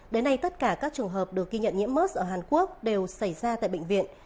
đến nay tất cả các trường hợp được ghi nhận nhiễm mớt ở hàn quốc đều xảy ra tại bệnh viện